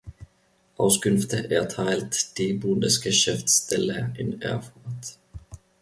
Auskünfte erteilt die Bundesgeschäftsstelle in Erfurt.